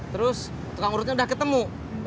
terus tukang urutnya udah ketemu